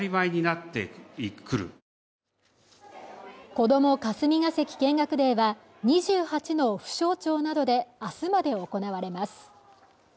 こども霞が関見学デーは２８の府省庁などであすまで行われます